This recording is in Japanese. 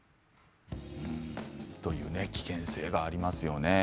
危険性がありますよね。